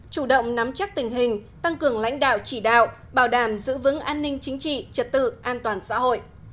chủ động nắm chắc tình hình tăng cường lãnh đạo chỉ đạo bảo đảm giữ vững an ninh chính trị trật tự an toàn xã hội